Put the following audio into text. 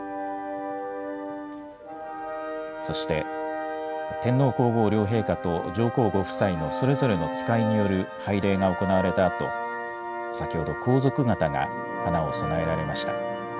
そして、天皇皇后両陛下と上皇ご夫妻のそれぞれの使いによる拝礼が行われたあと、先ほど、皇族方が花を供えられました。